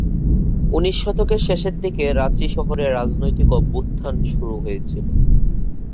উনিশ শতকের শেষের দিকে, রাঁচি শহরে রাজনৈতিক অভ্যুত্থান শুরু হয়েছিল।